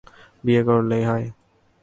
বিয়ে করলেই হয়।